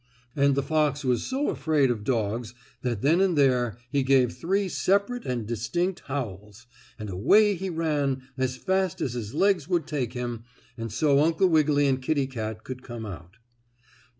And the fox was so afraid of dogs that then and there he gave three separate and distinct howls, and away he ran as fast as his legs would take him and so Uncle Wiggily and Kittie Kat could come out.